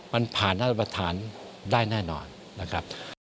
มันผ่านมาตรฐานได้แน่นอนนะครับ